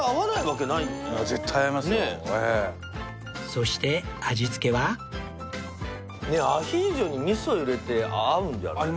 そしてアヒージョに味噌入れて合うんじゃない？